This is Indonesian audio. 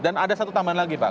dan ada satu tambahan lagi pak